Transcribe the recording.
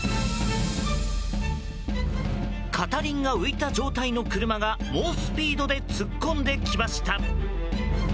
片輪が浮いた状態の車が猛スピードで突っ込んできました。